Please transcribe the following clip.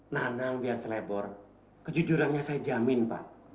nanang biar selebor kejujurannya saya jamin pak